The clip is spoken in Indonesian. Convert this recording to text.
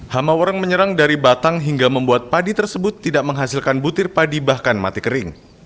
hamawereng menyerang dari batang hingga membuat padi tersebut tidak menghasilkan butir padi bahkan mati kering